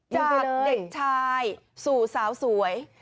จากเด็กชายสู่สาวสวย